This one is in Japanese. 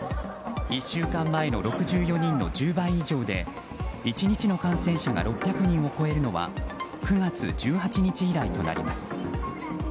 １週間前の６４人の１０倍以上で１日の感染者が６００人を超えるのは９月１８日以来となります。